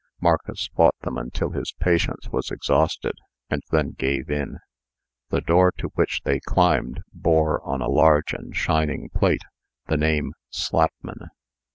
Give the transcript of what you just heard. Marcus fought them until his patience was exhausted, and then gave in. The door to which they climbed, bore, on a large and shining plate, the name "Slapman."